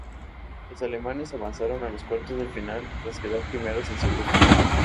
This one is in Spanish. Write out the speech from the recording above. Los alemanes avanzaron a los cuartos de final tras quedar primeros en su grupo.